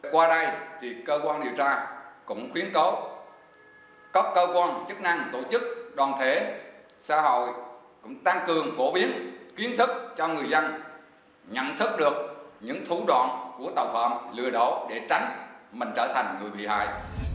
qua đây thì cơ quan điều tra cũng khuyến cáo các cơ quan chức năng tổ chức đoàn thể xã hội cũng tăng cường phổ biến kiến thức cho người dân nhận thức được những thủ đoạn của tàu lừa đảo để tránh mình trở thành người bị hại